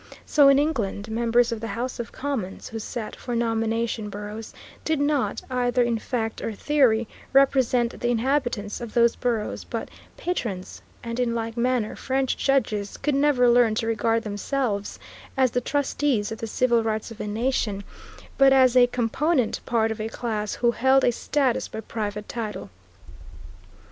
So in England members of the House of Commons, who sat for nomination boroughs, did not, either in fact or theory, represent the inhabitants of those boroughs, but patrons; and in like manner French judges could never learn to regard themselves as the trustees of the civil rights of a nation, but as a component part of a class who held a status by private title.